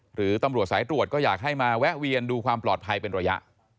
หรือตำรวจสายตรวจก็อยากให้มาแวะเวียนดูความปลอดภัยเป็นระยะ